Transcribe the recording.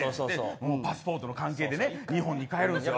パスポートの関係でね日本に帰るんですよ。